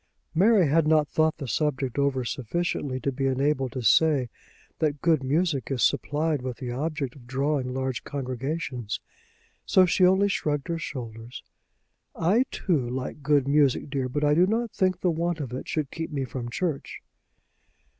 Mary had not thought the subject over sufficiently to be enabled to say that good music is supplied with the object of drawing large congregations, so she only shrugged her shoulders. "I, too, like good music, dear; but I do not think the want of it should keep me from church."